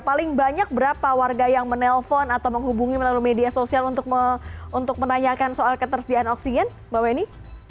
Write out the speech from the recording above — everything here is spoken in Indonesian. paling banyak berapa warga yang menelpon atau menghubungi melalui media sosial untuk menanyakan soal ketersediaan oksigen mbak weni